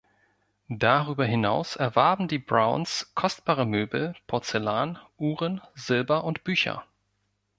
Darüber hinaus erwarben die Browns kostbare Möbel, Porzellan, Uhren, Silber und Bücher.